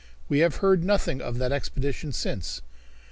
We have heard nothing of that expedition since.